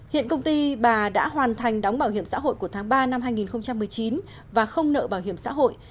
hiện công ty bà đã hoàn thành đóng bảo hiểm xã hội của tháng ba năm hai nghìn một mươi chín và không nợ bảo hiểm xã hội